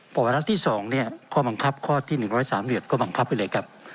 วัววาระที่สองเนี่ยข้อบังคับข้อที่๑๐๓เหลือก็บังคับไปเลยครับ